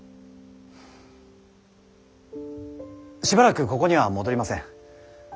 しばらくここには戻りません。